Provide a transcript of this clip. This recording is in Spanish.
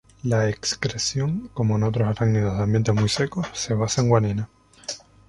La excreción, como en otros arácnidos de ambientes muy secos, se basa en guanina.